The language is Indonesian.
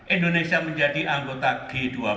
indonesia menjadi anggota g dua puluh